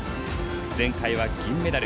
前回は銀メダル。